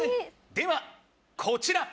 ではこちら。